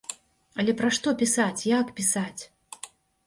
Але пра што пісаць, як пісаць?